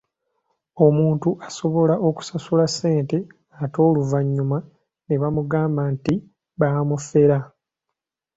Omuntu asobola okusasula ssente ate oluvannyuma ne bamugamba nti baamufera.